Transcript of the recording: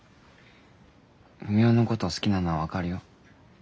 ふみおのこと好きなのは分かるよ。